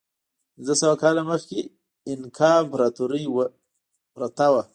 پنځه سوه کاله مخکې اینکا امپراتورۍ پرته وه.